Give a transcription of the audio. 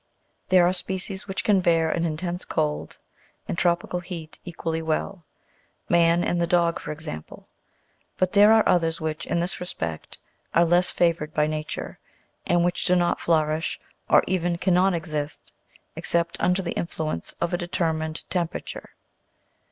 There are species which can bear an intense cold and 103 GEOGRAPHICAL DISTRIBUTION tropical heat equally well ; man and the dog, for example ; but there are others which, in this respect, are less favoured by nature, and which do not flourish, or even cannot exist, except under the influence of a determined temperature.